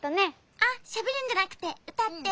あっしゃべるんじゃなくてうたって。